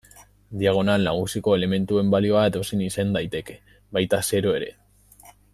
Diagonal nagusiko elementuen balioa edozein izan daiteke, baita zero ere.